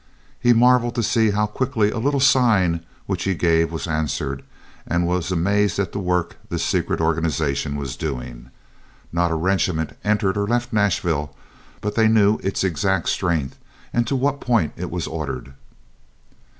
He marvelled to see how quickly a little sign which he gave was answered, and was amazed at the work this secret organization was doing. Not a regiment entered or left Nashville but they knew its exact strength, and to what point it was ordered.